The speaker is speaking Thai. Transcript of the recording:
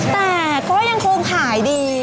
แต่ก็ยังคงขายดี